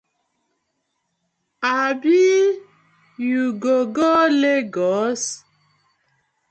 Abi you go go Legos?